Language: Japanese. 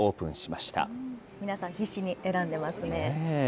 皆さん、必死に選んでますね。